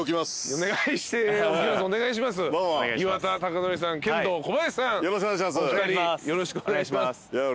お二人よろしくお願いします。